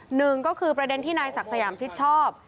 หนึ่งก็คือประเด็นที่นายศักดิ์สยามชิดชอบ